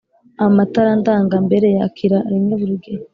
Amatara ndangambere yakira rimwe buri gihe